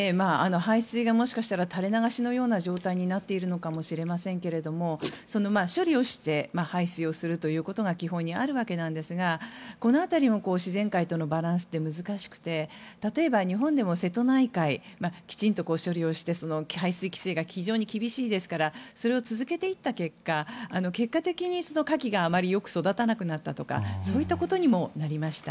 廃水がもしかしたら垂れ流しのような状態になっているのかもしれませんが処理をして廃水をするということが基本にあるわけなんですがこの辺りの自然界とのバランスって難しくて例えば日本でも瀬戸内海きちんと処理をして廃水規制が非常に厳しいですからそれを続けていった結果結果的にカキがあまりよく育たなくなったとかそういったことにもなりました。